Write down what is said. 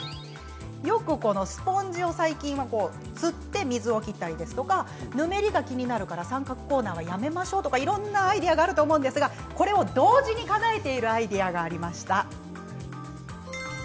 最近はスポンジをつって水を切ったりぬめりが気になるから三角コーナーをやめましょうといういろんなアイデアがありますがこれを同時にかなえているアイデアがありました。